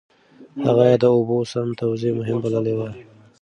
هغه د اوبو سم توزيع مهم بللی و.